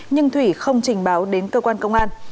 nhưng thủy không trình báo đến cơ quan công an